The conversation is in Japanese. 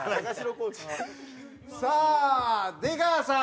さあ出川さん。